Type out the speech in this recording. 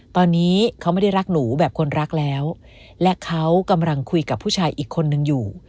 ตอนนี้เขาไม่ได้รักหนูแบบคนรักแล้วและเขากำลังคุยกับผู้ชายอีกคนนึงอยู่